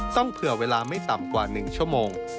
เผื่อเวลาไม่ต่ำกว่า๑ชั่วโมง